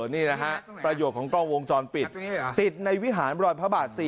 นี่นะฮะประโยชน์ของกล้องวงจรปิดติดในวิหารรอยพระบาท๔